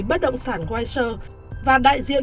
bất động sản weiser và đại diện